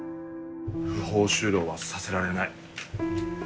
不法就労はさせられない。